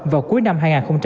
vào cuối năm hai nghìn hai mươi